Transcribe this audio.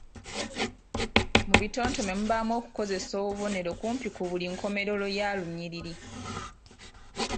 Mu bitontome mubaamu okukozesa obubonero kumpi ku buli nkomerero ya lunyiriri